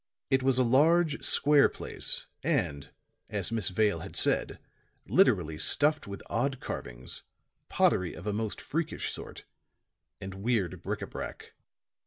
It was a large, square place, and, as Miss Vale had said, literally stuffed with odd carvings, pottery of a most freakish sort, and weird bric a brac.